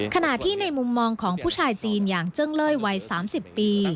ขณะที่ในมุมมองของผู้ชายจีนอย่างเจิ้งเล่ยวัย๓๐ปี